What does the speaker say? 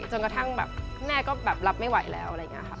จนกระทั่งแม่ก็รับไม่ไหวแล้ว